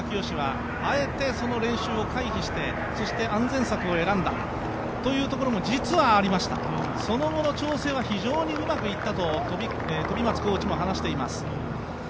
紫はあえてその練習を回避して、安全策を選んだというところも実はありました、その後の調整は非常にうまくいったｔコーチも話しています。